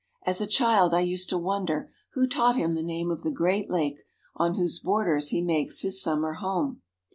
As a child I used to wonder who taught him the name of the great lake on whose borders he makes his summer home.